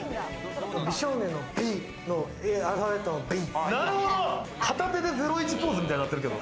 美少年のｂの、アルファベ片手でゼロイチポーズみたいになってるけど。